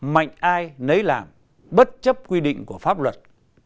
mạnh ai nấy làm bất chấp quy định của pháp luật